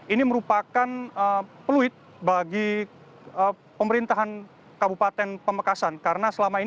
ini merupakan peluit bagi pemerintahan kabupaten pamekasan